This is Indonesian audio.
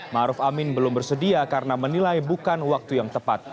maruf amin belum bersedia karena menilai bukan waktu yang tepat